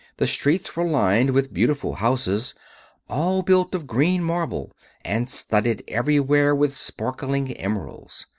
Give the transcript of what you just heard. The streets were lined with beautiful houses all built of green marble and studded everywhere with sparkling emeralds.